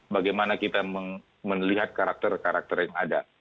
bagaimana kita melihat karakter karakter yang ada